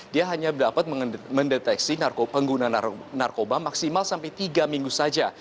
dia hanya dapat mendeteksi pengguna narkoba maksimal sampai tiga minggu saja